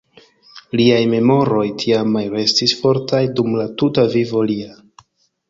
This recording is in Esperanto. Liaj memoroj tiamaj restis fortaj dum la tuta vivo lia.